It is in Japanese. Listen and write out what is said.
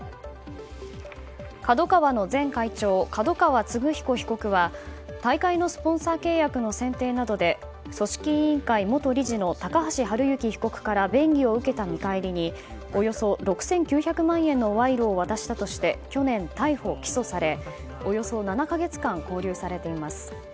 ＫＡＤＯＫＡＷＡの前会長角川歴彦被告は大会のスポンサー契約の選定などで組織委員会元理事の高橋治之被告から便宜を受けた見返りにおよそ６９００万円の賄賂を渡したとして去年、逮捕・起訴されおよそ７か月間勾留されています。